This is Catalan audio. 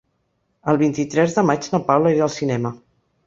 El vint-i-tres de maig na Paula irà al cinema.